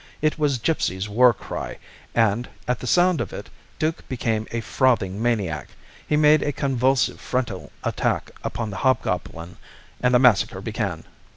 It was Gipsy's war cry, and, at the sound of it, Duke became a frothing maniac. He made a convulsive frontal attack upon the hobgoblin and the massacre began.